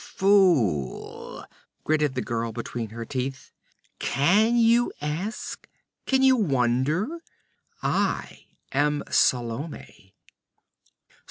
'Fool!' gritted the girl between her teeth. 'Can you ask? Can you wonder? I am Salome!'